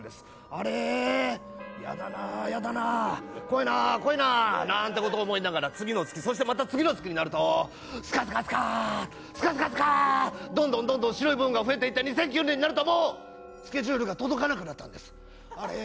あれ、やだな、やだな、こわいなー、こわいな、なんてこと思いながら、次の月、そしてまた次の月になると、すかすかすかー、すかすかすかー、どんどんどんどん白い部分が増えていって２００９年になるともうスケジュールが届かなくなったんです。